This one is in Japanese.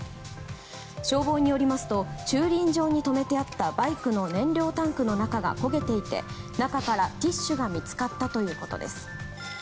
消防によりますと駐輪場に止めてあったバイクの燃料タンクの中が焦げていて中からティッシュが見つかったということです。